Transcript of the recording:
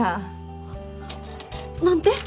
何て？